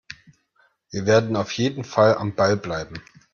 Wir werden auf jeden Fall am Ball bleiben.